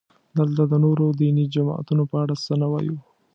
دلته د نورو دیني جماعتونو په اړه څه نه وایو.